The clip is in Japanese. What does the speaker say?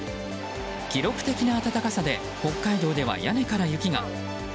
記録的な暖かさで北海道では屋根から雪が。